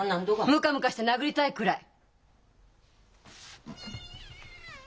ムカムカして殴りたいくらい！